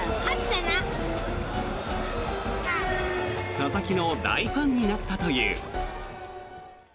佐々木の大ファンになったという。